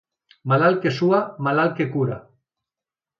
Malalt que sua, malalt que cura.